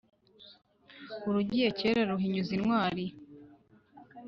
urugiye kera ruhinyuza intwari.